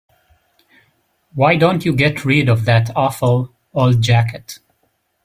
Why don't you get rid of that awful old jacket?